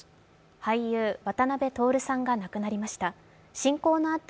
俳優・渡辺徹さんが亡くなりました。